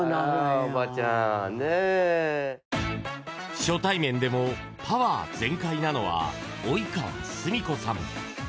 初対面でもパワー全開なのは及川すみ子さん。